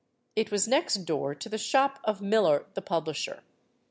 It was next door to the shop of Millar the publisher.